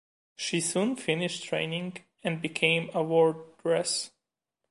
She soon finished training and became a wardress.